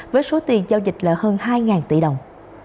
với số tiền giao dịch là hơn hai tỷ đồng